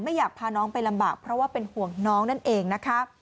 อยากพาน้องไปลำบากเพราะว่าเป็นห่วงน้องนั่นเองนะคะ